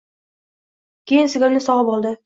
Keyin sigirni sogʻib oldi.